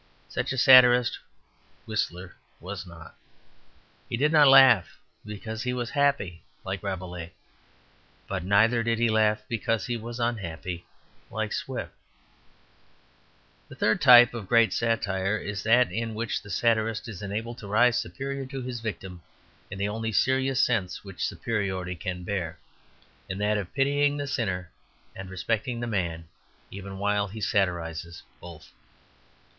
Such a satirist Whistler was not. He did not laugh because he was happy, like Rabelais. But neither did he laugh because he was unhappy, like Swift. The third type of great satire is that in which he satirist is enabled to rise superior to his victim in the only serious sense which superiority can bear, in that of pitying the sinner and respecting the man even while he satirises both.